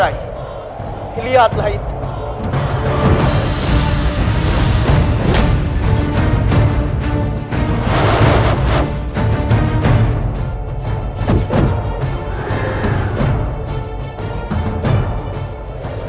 hai lihatlah itu